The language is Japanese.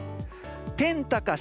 天高し！